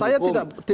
saya tidak mengatakan